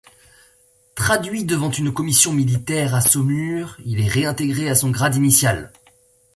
Traduit devant une commission militaire à Saumur, il est réintégré à son grade initial.